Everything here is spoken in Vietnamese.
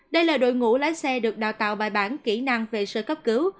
đây là đội ngũ lái xe được đào tạo bài bản kỹ năng về sơ cấp cứu